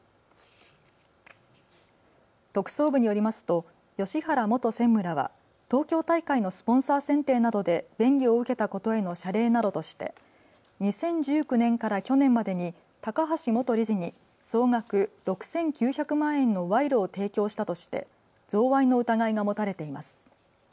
特捜部によりますと芳原元専務らは東京大会のスポンサー選定などで便宜を受けたことへの謝礼などとして２０１９年から去年までに高橋元理事に総額６９００万円の賄賂を提供したとして贈賄の疑いが持たれています。